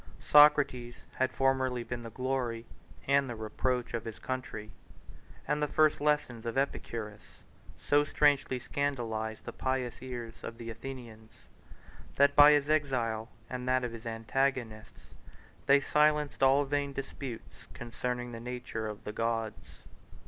Socrates had formerly been the glory and the reproach of his country; and the first lessons of Epicurus so strangely scandalized the pious ears of the Athenians, that by his exile, and that of his antagonists, they silenced all vain disputes concerning the nature of the gods.